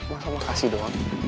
masa makasih doang